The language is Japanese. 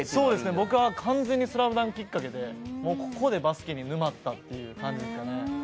僕は完全に「スラムダンク」きっかけでここでバスケに沼ったっていう感じですかね。